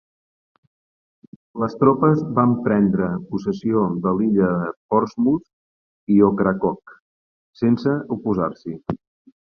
Les tropes van prendre possessió de l'illa de Portsmouth i Ocracoke sense oposar-s'hi.